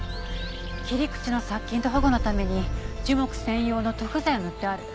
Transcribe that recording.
切り口の殺菌と保護のために樹木専用の塗布剤を塗ってある。